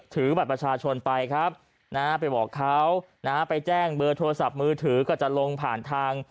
ถือบัตรประชาชนไปครับนะฮะไปบอกเขานะฮะไปแจ้งเบอร์โทรศัพท์มือถือก็จะลงผ่านทาง